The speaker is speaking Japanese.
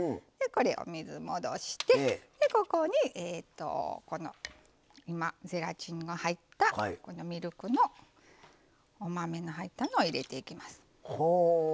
お水戻してここにゼラチンの入ったミルクのお豆の入ったのを入れていきます。